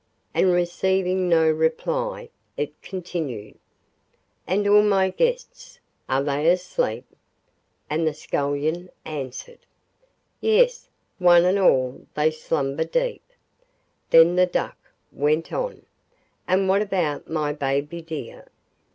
and receiving no reply, it continued: 'And all my guests, are they asleep?' and the Scullion answered: 'Yes, one and all they slumber deep.' Then the Duck went on: 'And what about my baby dear?